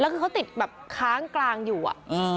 แล้วคือเขาติดแบบค้างกลางอยู่อะ